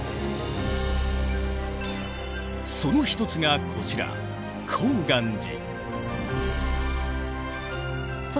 その一つがこちら高岸寺。